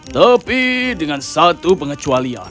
tapi dengan satu pengecualian